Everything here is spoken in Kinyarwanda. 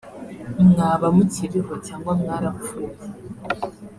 mwaba mukiriho cyangwa mwarapfuye